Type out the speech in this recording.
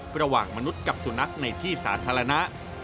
ประหว่างมนุษย์กับสุนัขในที่สาธารณะ